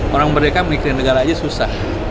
orang merdeka mikirin negara aja susah